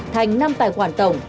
thành năm tài khoản tổng